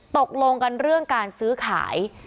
ตกลงกันเรื่องการซื้อขาย